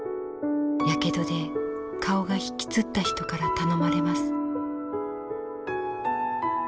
やけどで顔が引きつった人から頼まれます」。